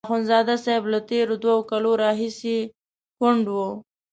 اخندزاده صاحب له تېرو دوو کالو راهیسې کونډ وو.